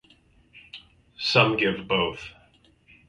Some give both.